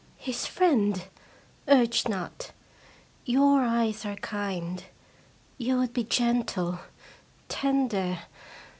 His friend ! Urge not. Your eyes are kind. You would be gentle, tender.